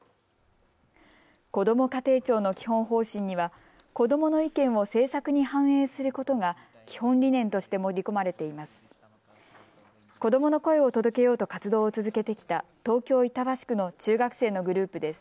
こども家庭庁の基本方針には子どもの意見を政策に反映することが基本理念として盛り込まれています。